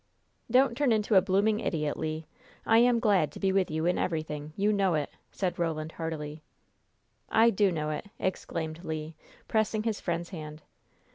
"Don't turn into a blooming idiot, Le. I am glad to be with you in everything. You know it," said Roland, heartily. "I do know it!" exclaimed Le, pressing his friend's hand.